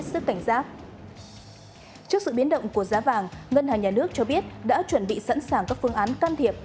trước sự biến động của giá vàng ngân hàng nhà nước cho biết đã chuẩn bị sẵn sàng các phương án can thiệp